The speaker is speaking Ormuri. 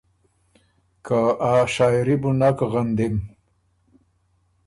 که ا شاعېري بو نک غندِم۔